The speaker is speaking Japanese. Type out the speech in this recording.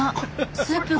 スープが。